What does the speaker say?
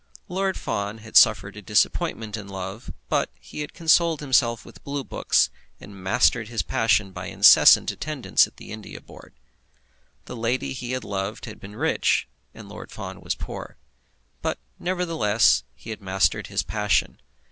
Lord Fawn had suffered a disappointment in love, but he had consoled himself with blue books, and mastered his passion by incessant attendance at the India Board. The lady he had loved had been rich, and Lord Fawn was poor; but nevertheless he had mastered his passion.